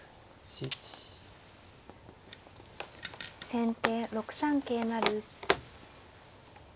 先手６三桂成。